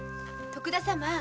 徳田様。